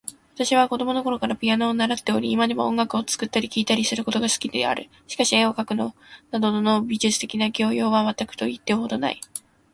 私は子供のころからピアノを習っており、今でも音楽を作ったり聴いたりすることが好きである。しかし、絵を描くなどの美術的な教養は全くと言ってよいほどない。